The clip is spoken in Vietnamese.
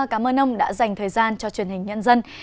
cảm ơn ông đã dành thời gian cho truyền hình nhân dân